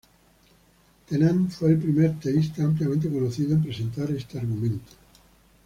Tennant fue el primer teísta ampliamente conocido en presentar este argumento.